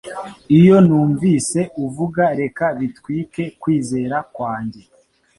iyo numvise uvuga reka bitwike kwizera kwanjye